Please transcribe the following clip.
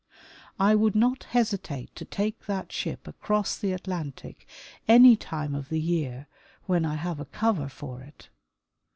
I would not hesitate to take that ship across the Atlantic any time of the year when I have a cover for it.